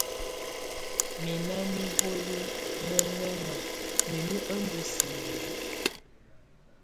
Mǝ na niholi mɔŋɛŋa, neni ɔ ndɔ sinǝ?